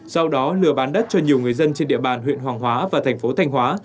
sau đó lừa bán đất cho nhiều người dân trên địa bàn huyện hoàng hóa và thành phố thanh hóa